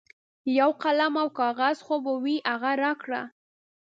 یو قلم او کاغذ خو به وي هغه راکړه.